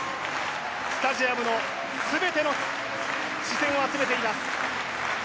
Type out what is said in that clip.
スタジアムの全ての視線を集めています。